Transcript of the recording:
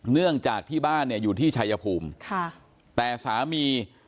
เนื่องจากที่บ้านเนี่ยอยู่ที่ชายภูมิ